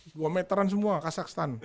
dua meteran semua kazakhstan